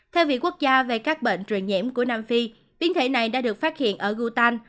theo viện quốc gia về các bệnh truyền nhiễm của nam phi biến thể này đã được phát hiện ở gutan